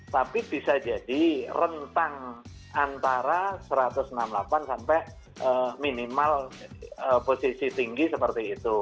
tapi bisa jadi rentang antara satu ratus enam puluh delapan sampai minimal posisi tinggi seperti itu